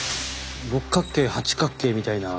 六角形八角形みたいな。